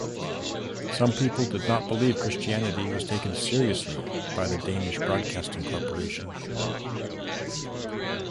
Some people did not believe Christianity was taken seriously by the Danish Broadcasting Corporation.